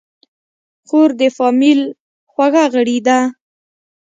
خور د فامیل خوږه غړي ده.